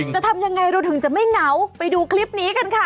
จะทำยังไงเราถึงจะไม่เหงาไปดูคลิปนี้กันค่ะ